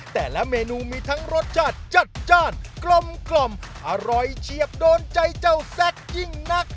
แต่ละเมนูมีทั้งรสชาติจัดจ้านกลมอร่อยเฉียบโดนใจเจ้าแซ็กยิ่งนัก